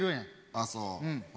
ああそう。